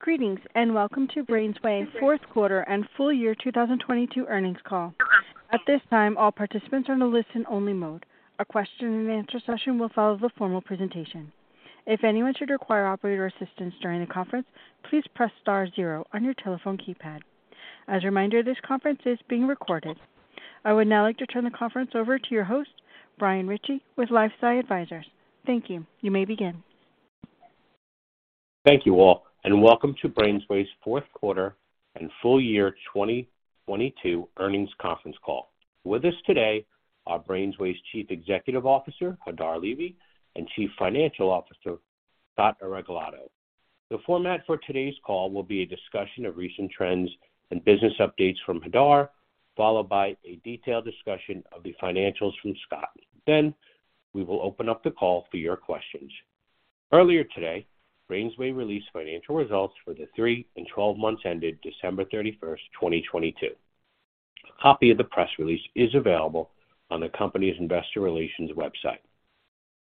Greetings, and welcome to BrainsWay fourth quarter and full year 2022 earnings call. At this time, all participants are in a listen only mode. A question and answer session will follow the formal presentation. If anyone should require operator assistance during the conference, please press star zero on your telephone keypad. As a reminder, this conference is being recorded. I would now like to turn the conference over to your host, Brian Ritchie, with LifeSci Advisors. Thank you. You may begin. Thank you all, and welcome to BrainsWay's fourth quarter and full year 2022 earnings conference call. With us today are BrainsWay's Chief Executive Officer, Hadar Levy, and Chief Financial Officer, Scott Areglado. The format for today's call will be a discussion of recent trends and business updates from Hadar, followed by a detailed discussion of the financials from Scott. We will open up the call for your questions. Earlier today, BrainsWay released financial results for the three and 12 months ended December 31st, 2022. A copy of the press release is available on the company's investor relations website.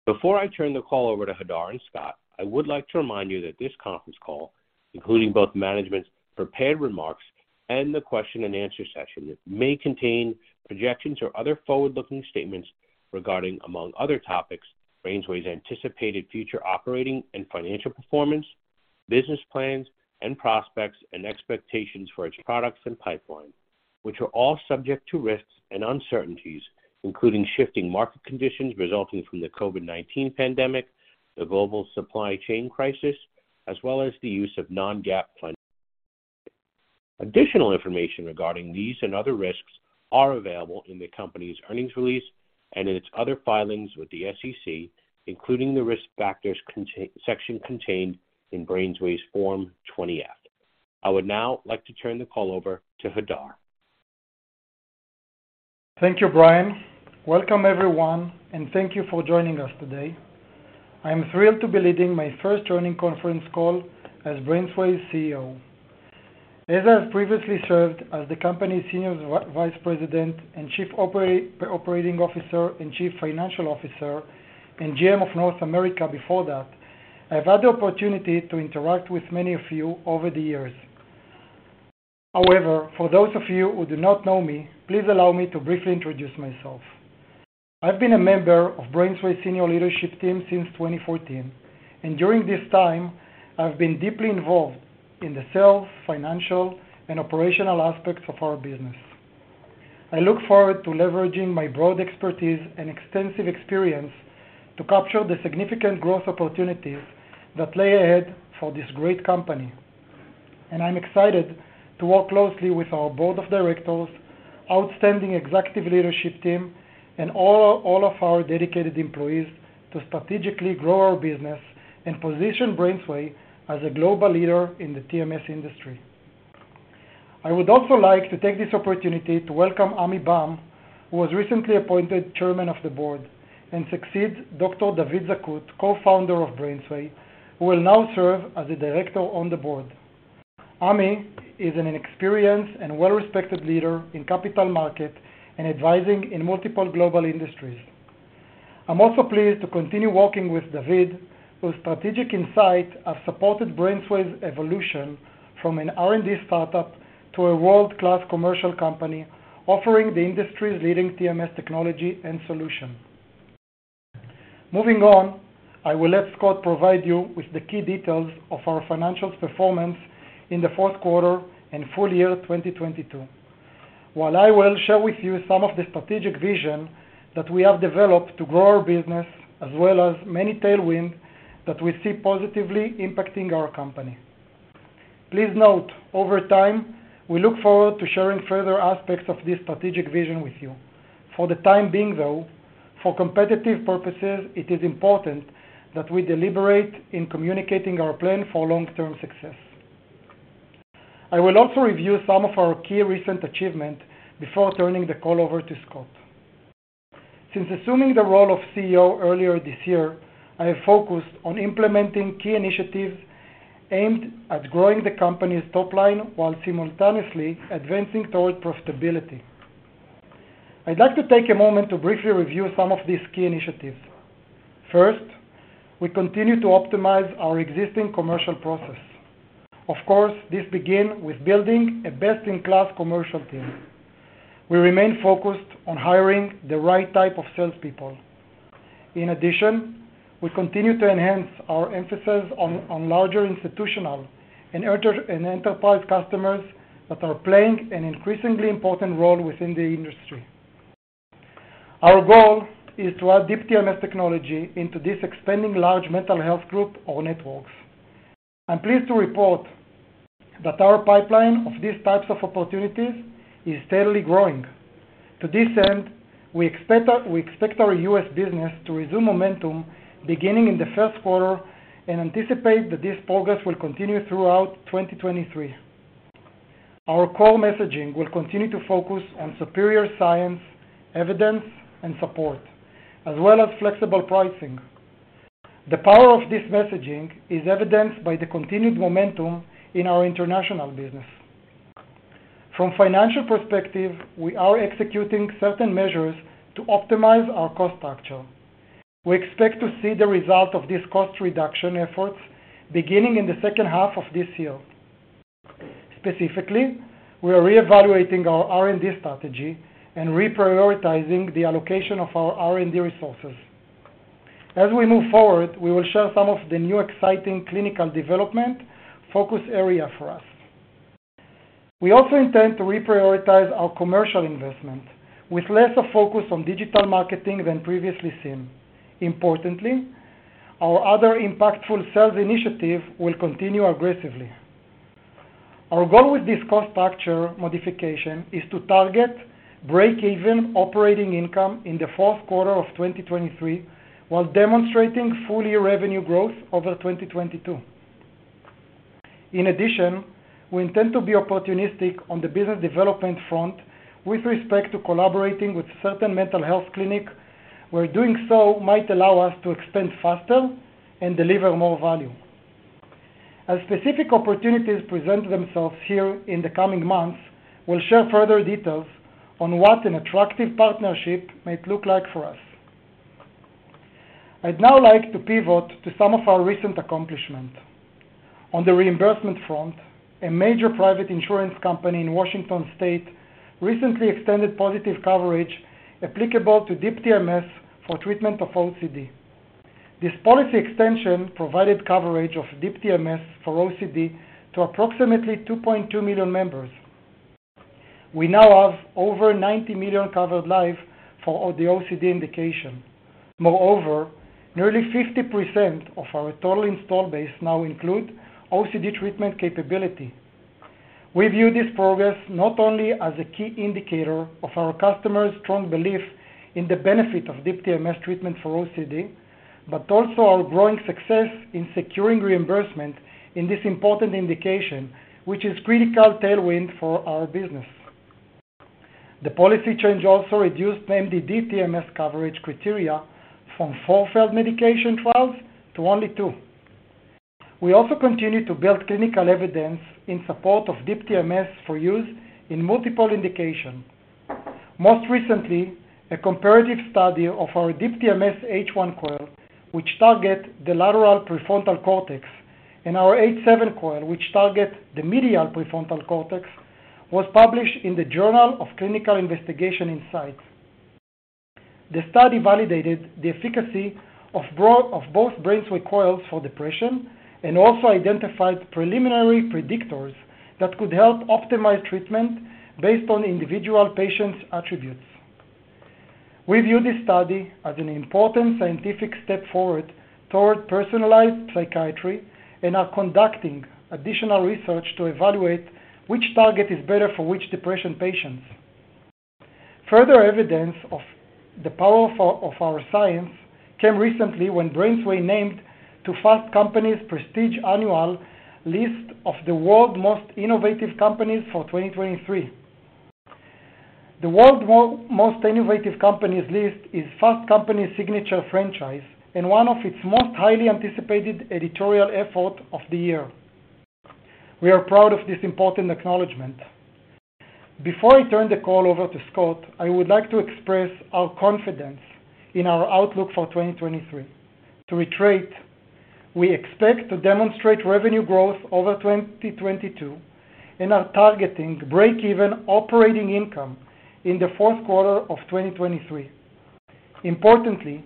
Before I turn the call over to Hadar and Scott, I would like to remind you that this conference call, including both management's prepared remarks and the question and answer session, may contain projections or other forward-looking statements regarding, among other topics, BrainsWay's anticipated future operating and financial performance, business plans and prospects and expectations for its products and pipeline, which are all subject to risks and uncertainties, including shifting market conditions resulting from the COVID-19 pandemic, the global supply chain crisis, as well as the use of non-GAAP funding. Additional information regarding these and other risks are available in the company's earnings release and in its other filings with the SEC, including the Risk Factors section contained in BrainsWay's Form 20-F. I would now like to turn the call over to Hadar. Thank you, Brian. Welcome, everyone, and thank you for joining us today. I am thrilled to be leading my first earnings conference call as BrainsWay's CEO. As I have previously served as the company's Senior Vice President and Chief Operating Officer and Chief Financial Officer, and GM of North America before that, I've had the opportunity to interact with many of you over the years. For those of you who do not know me, please allow me to briefly introduce myself. I've been a member of BrainsWay senior leadership team since 2014, and during this time, I've been deeply involved in the sales, financial, and operational aspects of our business. I look forward to leveraging my broad expertise and extensive experience to capture the significant growth opportunities that lay ahead for this great company. I'm excited to work closely with our Board of Directors, outstanding executive leadership team, and all of our dedicated employees to strategically grow our business and position BrainsWay as a global leader in the TMS industry. I would also like to take this opportunity to welcome Ami Boehm, who was recently appointed Chairman of the Board, and succeeds Dr. David Zacut, co-founder of BrainsWay, who will now serve as a Director on the Board. Ami is an experienced and well-respected leader in capital market and advising in multiple global industries. I'm also pleased to continue working with David, whose strategic insight have supported BrainsWay's evolution from an R&D startup to a world-class commercial company offering the industry's leading TMS technology and solution. Moving on, I will let Scott provide you with the key details of our financial performance in the fourth quarter and full year 2022. While I will share with you some of the strategic vision that we have developed to grow our business as well as many tailwind that we see positively impacting our company. Please note, over time, we look forward to sharing further aspects of this strategic vision with you. For the time being, though, for competitive purposes, it is important that we deliberate in communicating our plan for long-term success. I will also review some of our key recent achievement before turning the call over to Scott. Since assuming the role of CEO earlier this year, I have focused on implementing key initiatives aimed at growing the company's top line while simultaneously advancing toward profitability. I'd like to take a moment to briefly review some of these key initiatives. First, we continue to optimize our existing commercial process. Of course, this begin with building a best-in-class commercial team. We remain focused on hiring the right type of salespeople. In addition, we continue to enhance our emphasis on larger institutional and enterprise customers that are playing an increasingly important role within the industry. Our goal is to add Deep TMS technology into this expanding large mental health group or networks. I'm pleased to report that our pipeline of these types of opportunities is steadily growing. To this end, we expect our U.S. business to resume momentum beginning in the first quarter and anticipate that this progress will continue throughout 2023. Our core messaging will continue to focus on superior science, evidence, and support, as well as flexible pricing. The power of this messaging is evidenced by the continued momentum in our international business. From financial perspective, we are executing certain measures to optimize our cost structure. We expect to see the result of this cost reduction efforts beginning in the second half of this year. Specifically, we are reevaluating our R&D strategy and reprioritizing the allocation of our R&D resources. As we move forward, we will share some of the new exciting clinical development focus area for us. We also intend to reprioritize our commercial investment with less of focus on digital marketing than previously seen. Importantly, our other impactful sales initiative will continue aggressively. Our goal with this cost structure modification is to target breakeven operating income in the fourth quarter of 2023 while demonstrating full-year revenue growth over 2022. In addition, we intend to be opportunistic on the business development front with respect to collaborating with certain mental health clinic, where doing so might allow us to expand faster and deliver more value. As specific opportunities present themselves here in the coming months, we'll share further details on what an attractive partnership might look like for us. I'd now like to pivot to some of our recent accomplishments. On the reimbursement front, a major private insurance company in Washington State recently extended positive coverage applicable to Deep TMS for treatment of OCD. This policy extension provided coverage of Deep TMS for OCD to approximately 2.2 million members. We now have over 90 million covered lives for the OCD indication. Nearly 50% of our total installed base now include OCD treatment capability. We view this progress not only as a key indicator of our customers' strong belief in the benefit of Deep TMS treatment for OCD, but also our growing success in securing reimbursement in this important indication, which is critical tailwind for our business. The policy change also reduced MDD Deep TMS coverage criteria from four failed medication trials to only two We also continue to build clinical evidence in support of Deep TMS for use in multiple indications. Most recently, a comparative study of our Deep TMS H1 Coil, which target the lateral prefrontal cortex, and our H7 Coil, which target the medial prefrontal cortex, was published in the Journal of Clinical Investigation in Psych. The study validated the efficacy of both BrainsWay coils for depression and also identified preliminary predictors that could help optimize treatment based on individual patients' attributes. We view this study as an important scientific step forward toward personalized psychiatry and are conducting additional research to evaluate which target is better for which depression patients. Further evidence of the power of our science came recently when BrainsWay named to Fast Company's prestige annual list of the World's Most Innovative Companies for 2023. The World's Most Innovative Companies list is Fast Company's signature franchise and one of its most highly anticipated editorial effort of the year. We are proud of this important acknowledgment. Before I turn the call over to Scott, I would like to express our confidence in our outlook for 2023. To iterate, we expect to demonstrate revenue growth over 2022 and are targeting breakeven operating income in the fourth quarter of 2023. Importantly,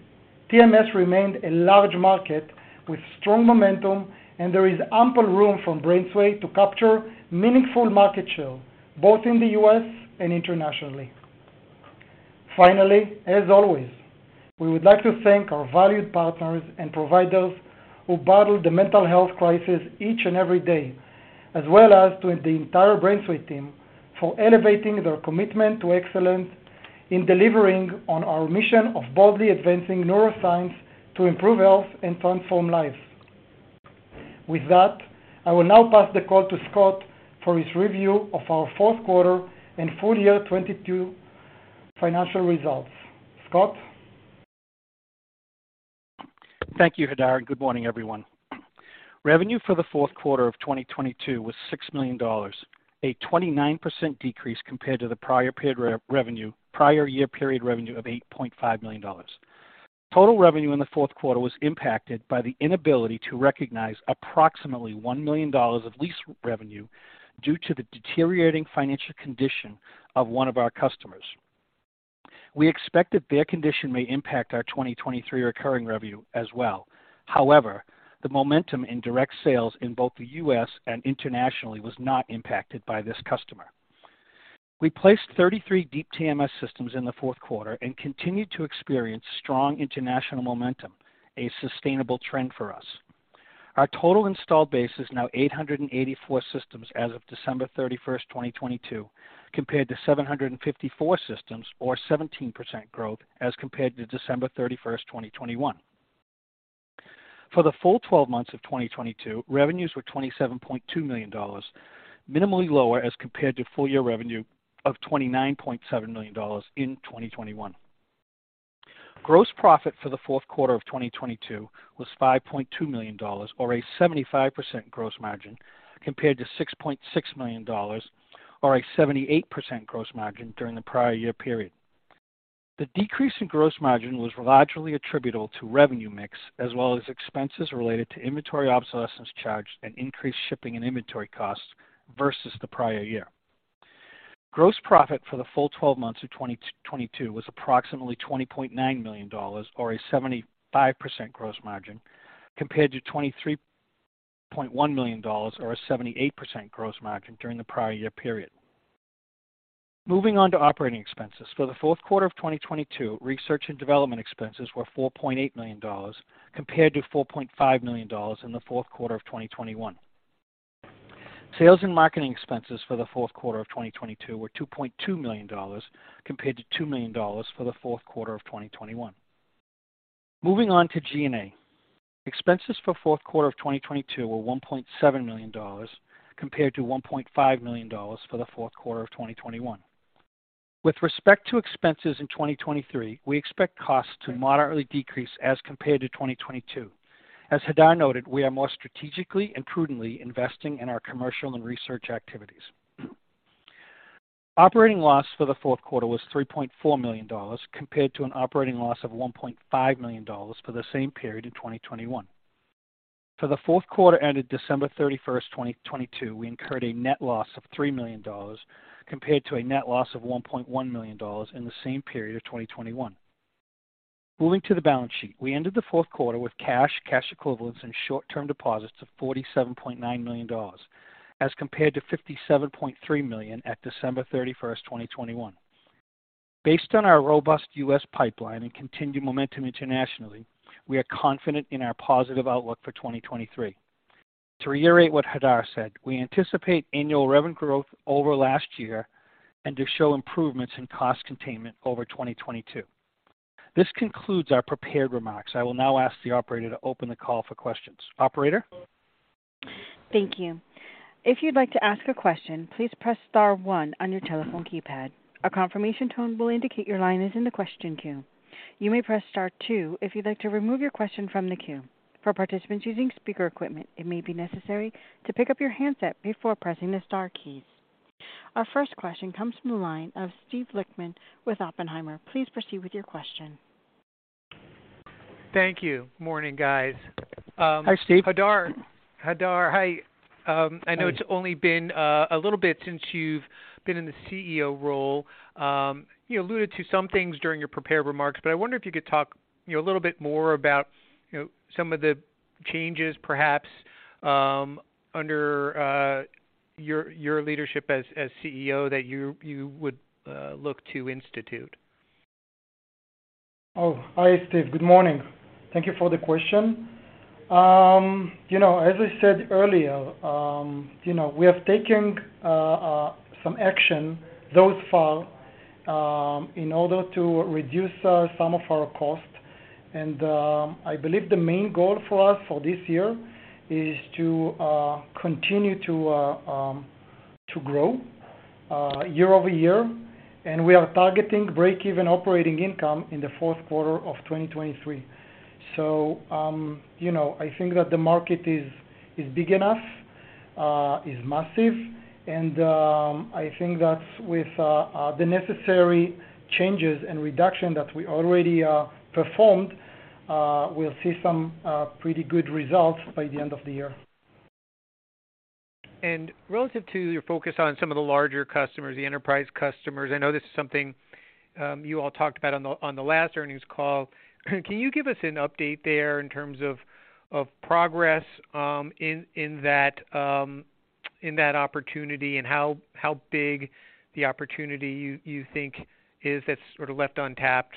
TMS remained a large market with strong momentum, and there is ample room for BrainsWay to capture meaningful market share, both in the U.S. and internationally. As always, we would like to thank our valued partners and providers who battle the mental health crisis each and every day, as well as to the entire BrainsWay team for elevating their commitment to excellence in delivering on our mission of boldly advancing neuroscience to improve health and transform lives. With that, I will now pass the call to Scott for his review of our fourth quarter and full year 2022 financial results. Scott? Thank you, Hadar. Good morning, everyone. Revenue for the fourth quarter of 2022 was $6 million, a 29% decrease compared to the prior year period revenue of $8.5 million. Total revenue in the fourth quarter was impacted by the inability to recognize approximately $1 million of lease revenue due to the deteriorating financial condition of one of our customers. We expect that their condition may impact our 2023 recurring revenue as well. However, the momentum in direct sales in both the U.S. and internationally was not impacted by this customer. We placed 33 Deep TMS systems in the fourth quarter and continued to experience strong international momentum, a sustainable trend for us. Our total installed base is now 884 systems as of December 31, 2022, compared to 754 systems or 17% growth as compared to December 31, 2021. For the full 12 months of 2022, revenues were $27.2 million, minimally lower as compared to full year revenue of $29.7 million in 2021. Gross profit for the fourth quarter of 2022 was $5.2 million, or a 75% gross margin, compared to $6.6 million or a 78% gross margin during the prior year period. The decrease in gross margin was largely attributable to revenue mix as well as expenses related to inventory obsolescence charge and increased shipping and inventory costs versus the prior year. Gross profit for the full 12 months of 2022 was approximately $20.9 million, or a 75% gross margin, compared to $23.1 million, or a 78% gross margin during the prior year period. Moving on to operating expenses. For the fourth quarter of 2022, research and development expenses were $4.8 million compared to $4.5 million in the fourth quarter of 2021. Sales and marketing expenses for the fourth quarter of 2022 were $2.2 million compared to $2 million for the fourth quarter of 2021. Moving on to G&A. Expenses for fourth quarter of 2022 were $1.7 million compared to $1.5 million for the fourth quarter of 2021. With respect to expenses in 2023, we expect costs to moderately decrease as compared to 2022. As Hadar noted, we are more strategically and prudently investing in our commercial and research activities. Operating loss for the fourth quarter was $3.4 million compared to an operating loss of $1.5 million for the same period in 2021. For the fourth quarter ended December 31st, 2022, we incurred a net loss of $3 million compared to a net loss of $1.1 million in the same period of 2021. Moving to the balance sheet. We ended the fourth quarter with cash equivalents and short-term deposits of $47.9 million as compared to $57.3 million at December 31st, 2021. Based on our robust U.S. pipeline and continued momentum internationally, we are confident in our positive outlook for 2023. To reiterate what Hadar said, we anticipate annual revenue growth over last year and to show improvements in cost containment over 2022. This concludes our prepared remarks. I will now ask the operator to open the call for questions. Operator? Thank you. If you'd like to ask a question, please press star one on your telephone keypad. A confirmation tone will indicate your line is in the question queue. You may press star two if you'd like to remove your question from the queue. For participants using speaker equipment, it may be necessary to pick up your handset before pressing the star keys. Our first question comes from the line of Steven Lichtman with Oppenheimer. Please proceed with your question. Thank you. Morning, guys. Hi, Steve. Hadar, hi. I know it's only been a little bit since you've been in the CEO role. You alluded to some things during your prepared remarks, I wonder if you could talk, you know, a little bit more about, you know, some of the changes perhaps under your leadership as CEO that you would look to institute. Hi Steve. Good morning. Thank you for the question. You know, as I said earlier, you know, we have taken some action thus far in order to reduce some of our costs. I believe the main goal for us for this year is to continue to grow year-over-year. We are targeting break-even operating income in the fourth quarter of 2023. You know, I think that the market is big enough, is massive. I think that with the necessary changes and reduction that we already performed, we'll see some pretty good results by the end of the year. Relative to your focus on some of the larger customers, the enterprise customers, I know this is something you all talked about on the last earnings call. Can you give us an update there in terms of progress in that opportunity and how big the opportunity you think is that's sort of left untapped?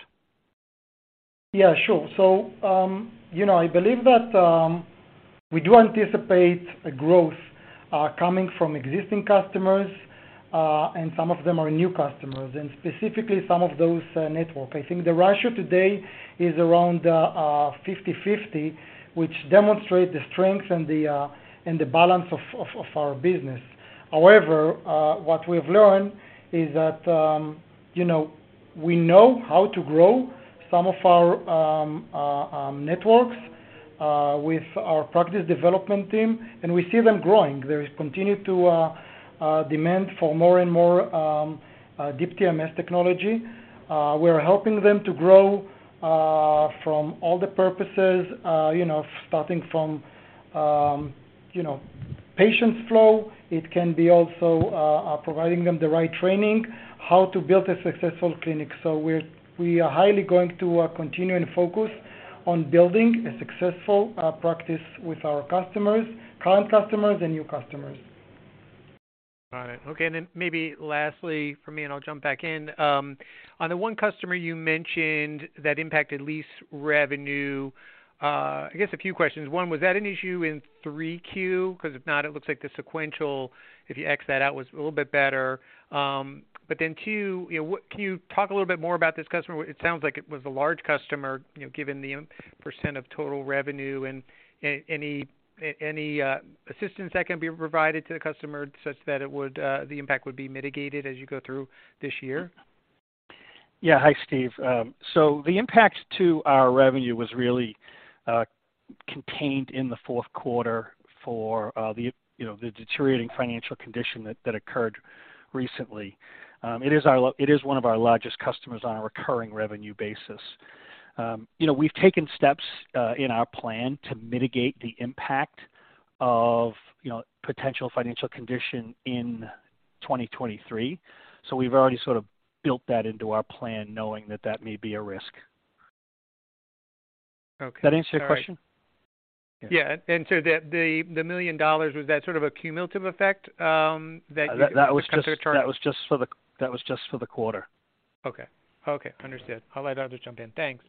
Yeah, sure. You know, I believe that we do anticipate a growth coming from existing customers, and some of them are new customers, and specifically some of those network. I think the ratio today is around 50/50, which demonstrate the strength and the balance of our business. However, what we've learned is that, you know, we know how to grow some of our networks with our practice development team, and we see them growing. There is continued demand for more and more Deep TMS technology. We're helping them to grow from all the purposes, you know, starting from, you know, patient flow. It can be also providing them the right training, how to build a successful clinic. We are highly going to continue and focus on building a successful practice with our customers, current customers and new customers. Got it. Okay. Maybe lastly for me, and I'll jump back in. On the one customer you mentioned that impacted lease revenue, I guess a few questions. One, was that an issue in 3Q? 'Cause if not, it looks like the sequential, if you X that out, was a little bit better. Two, you know, can you talk a little bit more about this customer? It sounds like it was a large customer, you know, given the percenntage of total revenue and any assistance that can be provided to the customer such that it would, the impact would be mitigated as you go through this year? Yeah. Hi, Steve. The impact to our revenue was really contained in the fourth quarter for the, you know, the deteriorating financial condition that occurred recently. It is one of our largest customers on a recurring revenue basis. You know, we've taken steps in our plan to mitigate the impact of, you know, potential financial condition in 2023. We've already sort of built that into our plan knowing that that may be a risk. Okay. All right. Does that answer your question? Yeah. The $1 million, was that sort of a cumulative effect customer turned? That was just for the quarter. Okay.Okay. Understood. I'll let Hadar jump in. Thanks.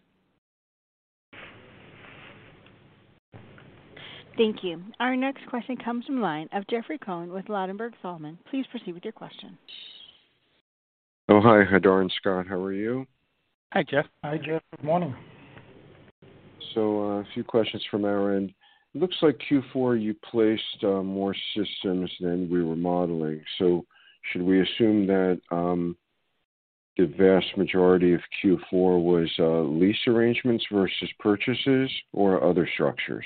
Thank you. Our next question comes from line of Jeffrey Cohen with Ladenburg Thalmann. Please proceed with your question. Oh, hi, Hadar and Scott. How are you? Hi, Jeff. Hi, Jeff. Good morning. A few questions from our end. It looks like Q4 you placed more systems than we were modeling. Should we assume that the vast majority of Q4 was lease arrangements versus purchases or other structures?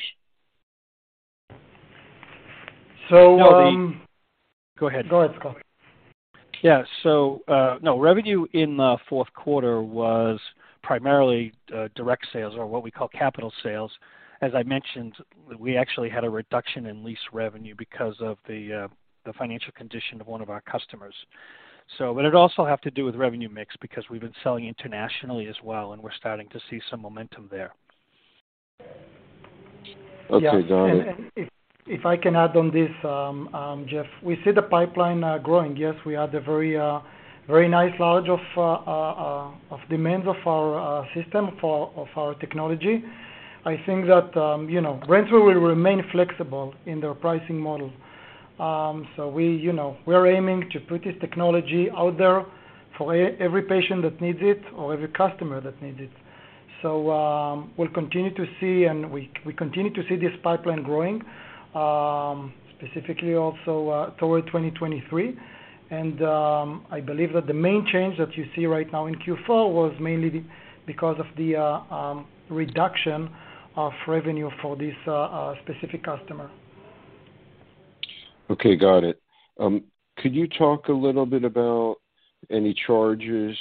Go ahead. Go ahead, Scott. Yeah. No, revenue in fourth quarter was primarily direct sales or what we call capital sales. As I mentioned, we actually had a reduction in lease revenue because of the financial condition of one of our customers. It also have to do with revenue mix because we've been selling internationally as well, and we're starting to see some momentum there. Okay. Got it. Yeah. If I can add on this, Jeff. We see the pipeline growing. Yes, we had a very nice large of demands of our technology. I think that, you know, Rentrol will remain flexible in their pricing model. We, you know, we're aiming to put this technology out there for every patient that needs it or every customer that needs it. We'll continue to see and we continue to see this pipeline growing, specifically also toward 2023. I believe that the main change that you see right now in Q4 was mainly because of the reduction of revenue for this specific customer. Okay, got it. Could you talk a little bit about any charges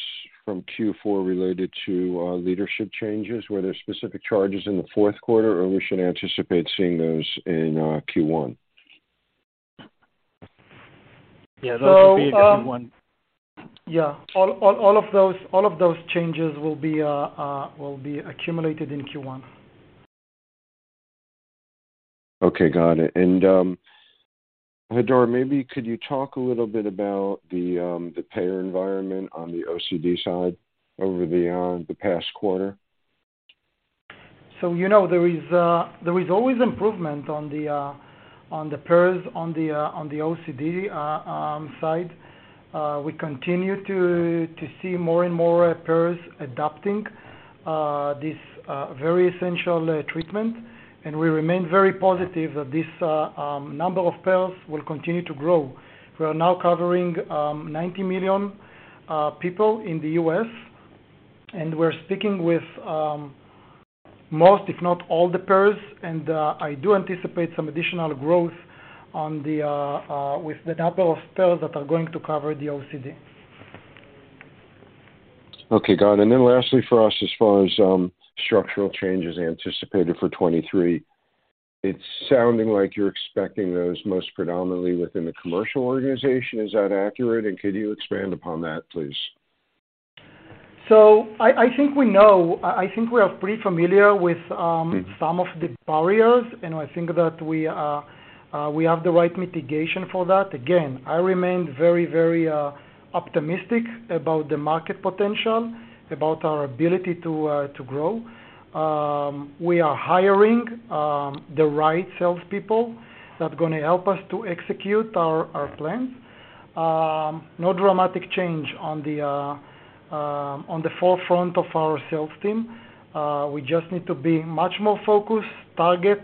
from Q4 related to leadership changes? Were there specific charges in the fourth quarter, or we should anticipate seeing those in Q1? Yeah. Those would be in Q1. Yeah. All of those changes will be accumulated in Q1. Okay, got it. Hadar, maybe could you talk a little bit about the payer environment on the OCD side over the past quarter? You know, there is always improvement on the payers, on the OCD side. We continue to see more and more payers adopting this very essential treatment, and we remain very positive that this number of payers will continue to grow. We are now covering 90 million people in the U.S., and we're speaking with most, if not all the payers. I do anticipate some additional growth on the with the number of payers that are going to cover the OCD. Okay, got it. Lastly for us, as far as structural changes anticipated for 2023, it's sounding like you're expecting those most predominantly within the commercial organization. Is that accurate? Could you expand upon that, please? I think we are pretty familiar with some of the barriers, and I think that we are we have the right mitigation for that. Again, I remain very optimistic about the market potential, about our ability to grow. We are hiring the right salespeople that gonna help us to execute our plans. No dramatic change on the forefront of our sales team. We just need to be much more focused, target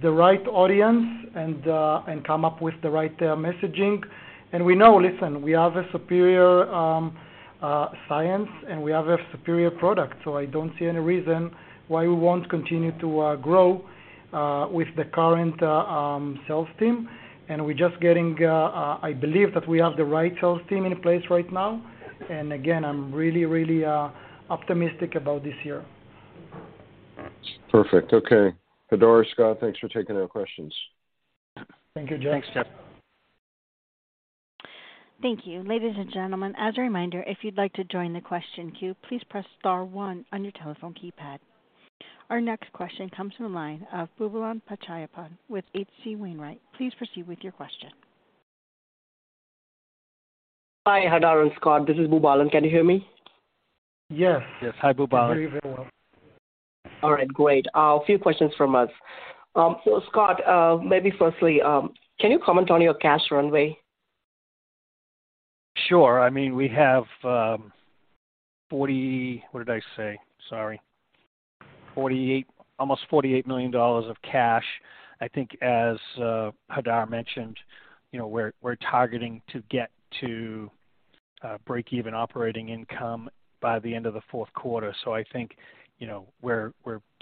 the right audience and come up with the right messaging. We know, listen, we have a superior science, and we have a superior product, so I don't see any reason why we won't continue to grow with the current sales team. We're just getting, I believe that we have the right sales team in place right now. Again, I'm really optimistic about this year. Perfect. Okay. Hadar, Scott, thanks for taking our questions. Thank you, Jeff. Thanks, Jeff. Thank you. Ladies and gentlemen, as a reminder, if you'd like to join the question queue, please press star one on your telephone keypad. Our next question comes from the line of Boobalan Pachaiyappan with H.C. Wainwright. Please proceed with your question. Hi, Hadar and Scott. This is Boobalan. Can you hear me? Yes. Yes. Hi, Boobalan. We hear you very well. All right. Great. A few questions from us. Scott, maybe firstly, can you comment on your cash runway? Sure. I mean, we have, almost $48 million of cash. I think as Hadar mentioned, you know, we're targeting to get to break-even operating income by the end of the fourth quarter. I think, you know, we're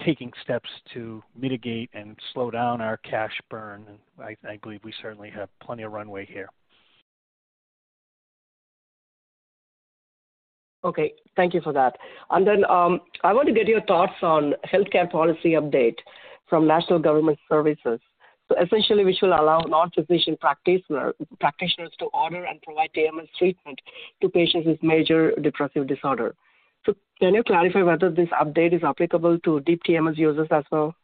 taking steps to mitigate and slow down our cash burn, and I believe we certainly have plenty of runway here. Okay. Thank you for that. I want to get your thoughts on healthcare policy update from National Government Services. Essentially, we should allow non-physician practitioners to order and provide TMS treatment to patients with major depressive disorder. Can you clarify whether this update is applicable to Deep TMS users as well?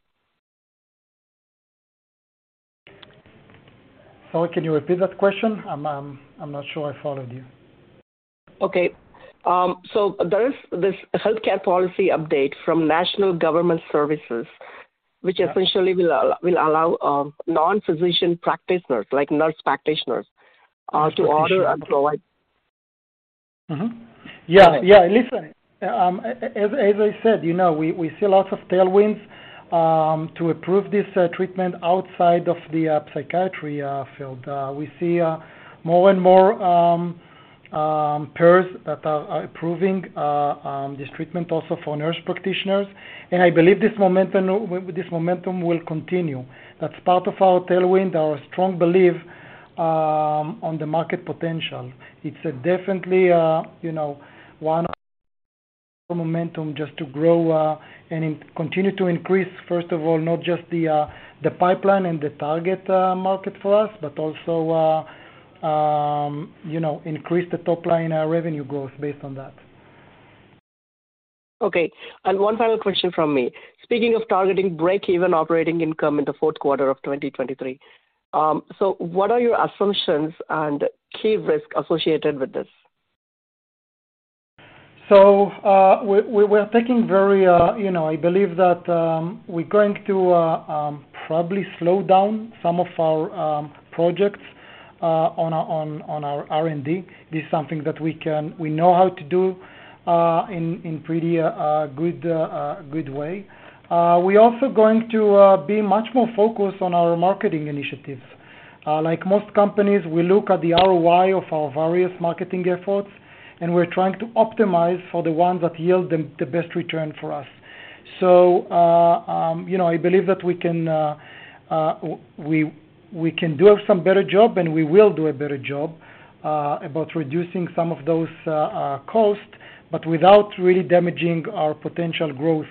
Sorry, can you repeat that question? I'm not sure I followed you. Okay. There is this healthcare policy update from National Government Services, which essentially will allow non-physician practitioners like nurse practitioners to order and provide- Yeah. Listen, as I said, you know, we see lots of tailwinds to approve this treatment outside of the psychiatry field. We see more and more pairs that are approving this treatment also for nurse practitioners, and I believe this momentum will continue. That's part of our tailwind, our strong belief on the market potential. It's definitely, you know, one momentum just to grow and continue to increase, first of all, not just the pipeline and the target market for us, but also, you know, increase the top line revenue growth based on that. Okay. One final question from me. Speaking of targeting break-even operating income in the fourth quarter of 2023, what are your assumptions and key risk associated with this? We're taking very, you know, I believe that we're going to probably slow down some of our projects on our R&D. This is something that we know how to do in pretty good way. We also going to be much more focused on our marketing initiatives. Like most companies, we look at the ROI of our various marketing efforts, and we're trying to optimize for the ones that yield them the best return for us. You know, I believe that we can do some better job, and we will do a better job about reducing some of those costs, but without really damaging our potential growth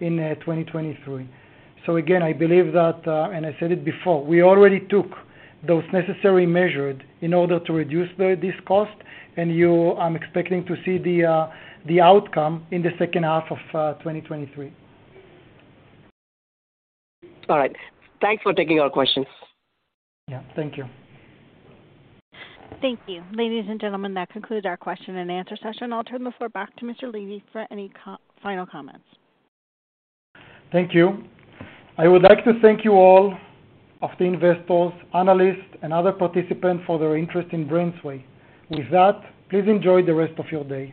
in 2023.Again, I believe that, and I said it before, we already took those necessary measures in order to reduce these costs, and I'm expecting to see the outcome in the second half of 2023. All right. Thanks for taking our questions. Yeah, thank you. Thank you. Ladies and gentlemen, that concludes our question and answer session. I'll turn the floor back to Mr. Levy for any final comments. Thank you. I would like to thank you all of the investors, analysts, and other participants for their interest in BrainsWay. With that, please enjoy the rest of your day.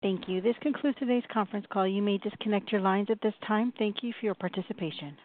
Thank you. This concludes today's conference call. You may disconnect your lines at this time. Thank you for your participation.